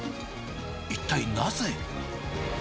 一体なぜ？